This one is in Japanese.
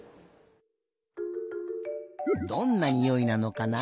どんなにおいなのかな？